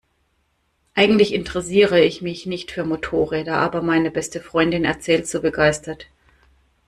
Eigentlich interessiere ich mich nicht für Motorräder, aber meine beste Freundin erzählt so begeistert.